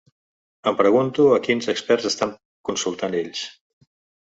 Em pregunto a quins experts estan consultant ells.